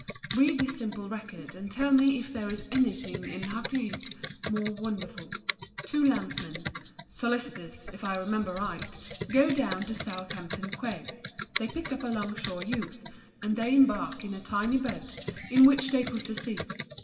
Read this simple record and tell me if there is anything in Hakluyt more wonderful. Two landsmen—solicitors, if I remember right—go down to Southampton Quay. They pick up a long shore youth, and they embark in a tiny boat in which they put to sea.